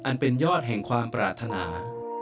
เป็นยอดแห่งความปรารถนา